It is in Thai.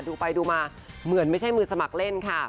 ดูไปดูมาเหมือนไม่ใช่มือสมัครเล่นค่ะ